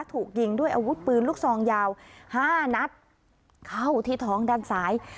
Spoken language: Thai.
ถูกยิงด้วยอาวุธปืนลูกซองยาวห้านัดเข้าที่ท้องด้านซ้าย